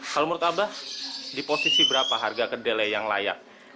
kalau menurut abah di posisi berapa harga kedelai yang layak